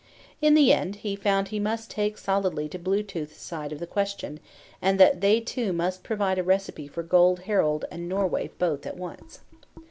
In the end he found he must take solidly to Blue tooth's side of the question; and that they two must provide a recipe for Gold Harald and Norway both at once.